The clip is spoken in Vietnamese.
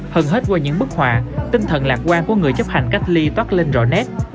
hơn hết qua những bức hòa tinh thần lạc quan của người chấp hành cách ly toát lên rõ nét